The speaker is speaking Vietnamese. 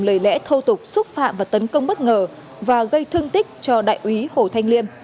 đại úy hồ thanh liêm đã dùng lời lẽ thô tục xúc phạm và tấn công bất ngờ và gây thương tích cho đại úy hồ thanh liêm